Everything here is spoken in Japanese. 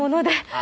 あ